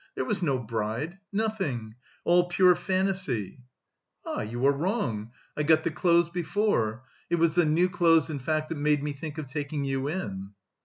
There was no bride, nothing, all pure fantasy!" "Ah, you are wrong! I got the clothes before. It was the new clothes in fact that made me think of taking you in."